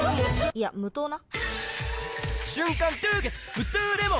いや無糖な！